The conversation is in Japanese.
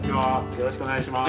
よろしくお願いします。